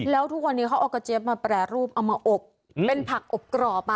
แล้วทุกวันนี้เขาเอากระเจี๊ยบมาแปรรูปเอามาอบเป็นผักอบกรอบ